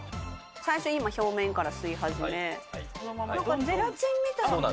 最初、今、表面から吸い始め、なんかゼラチンみたいな。